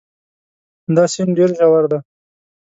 دا سیند ډېر ژور دی.